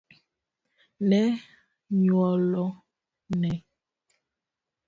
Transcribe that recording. ne anyuolane